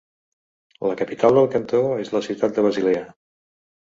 La capital del cantó és la ciutat de Basilea.